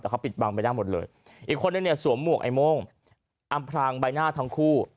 แต่เขาปิดบังไม่ได้หมดเลยอีกคนนึงเนี่ยสวมหมวกไอ้โม่งอำพลางใบหน้าทั้งคู่